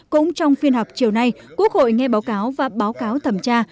cũng trong phiên họp chiều nay quốc hội nghe báo cáo và báo cáo thẩm tra